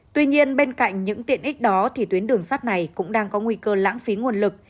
tuy nhiên bên cạnh những tiện ích đó thì tuyến đường sắt này cũng đang có nguy cơ lãng phí nguồn lực